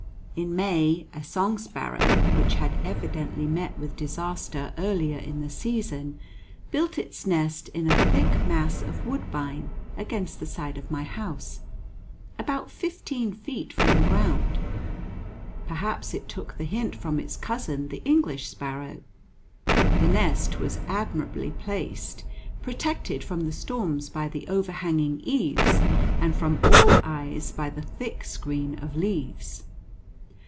In May, a song sparrow, which had evidently met with disaster earlier in the season, built its nest in a thick mass of woodbine against the side of my house, about fifteen feet from the ground. Perhaps it took the hint from its cousin the English sparrow. The nest was admirably placed, protected from the storms by the overhanging eaves and from all eyes by the thick screen of leaves.